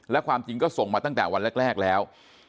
และความจริงก็ส่งมาตั้งแต่วันแรกแล้ว